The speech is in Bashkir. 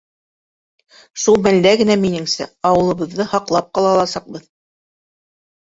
Шул мәлдә генә, минеңсә, ауылыбыҙҙы һаҡлап ҡала аласаҡбыҙ.